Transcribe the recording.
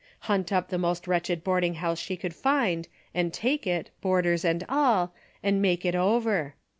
Hunt up the most wretched boarding house she could find and takedt, boarders and all, and make it over.